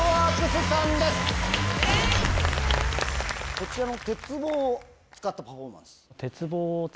こちらの鉄棒を使ったパフォーマンス。